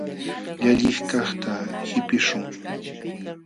Llalliqkaqta qipiśhun.